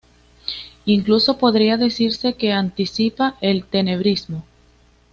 Incluso podría decirse que anticipa el tenebrismo.